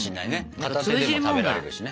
片手でも食べられるしね。